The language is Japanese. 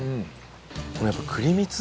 このやっぱ栗みつ？